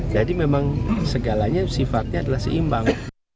jadi memang segalanya sifatnya adalah seimbang